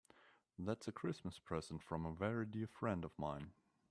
That's a Christmas present from a very dear friend of mine.